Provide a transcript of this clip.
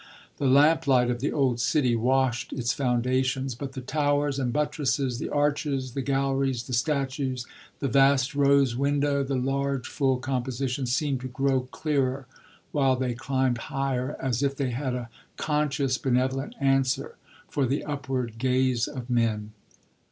The lamplight of the old city washed its foundations, but the towers and buttresses, the arches, the galleries, the statues, the vast rose window, the large full composition, seemed to grow clearer while they climbed higher, as if they had a conscious benevolent answer for the upward gaze of men.